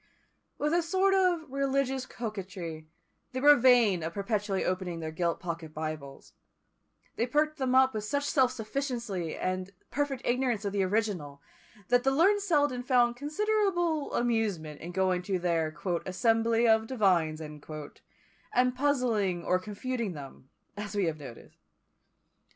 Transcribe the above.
With a sort of religious coquetry, they were vain of perpetually opening their gilt pocket Bibles; they perked them up with such self sufficiency and perfect ignorance of the original, that the learned Selden found considerable amusement in going to their "assembly of divines," and puzzling or confuting them, as we have noticed.